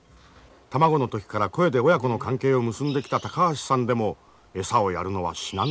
卵の時から声で親子の関係を結んできた高橋さんでも餌をやるのは至難の業だ。